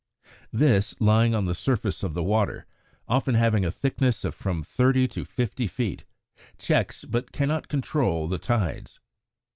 This, lying on the surface of the water, often having a thickness of from thirty to fifty feet, checks, but cannot control the tides.